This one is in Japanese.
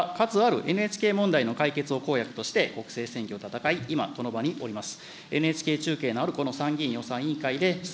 われわれＮＨＫ党は、数あるＮＨＫ問題の解決を公約として国政選挙を戦い、今、この場におります。